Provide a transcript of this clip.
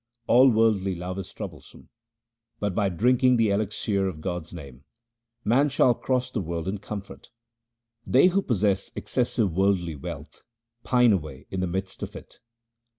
All worldly love is troublesome, but, by drinking the elixir of God's name, man shall cross the world in comfort. They who possess excessive worldly wealth pine away in the midst of it.